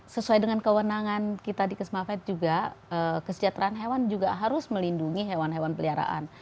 sesuai dengan kewenangan kita di kesmavet juga kesejahteraan hewan juga harus melindungi hewan hewan peliharaan